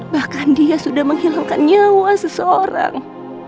bahkan dia sudah menghilangkan nyawa seseorang